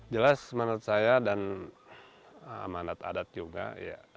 jelas menurut saya dan manat adat juga